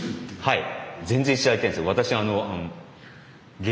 はい。